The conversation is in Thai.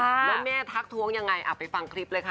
แล้วแม่ทักท้วงยังไงอ่ะไปฟังคลิปเลยค่ะ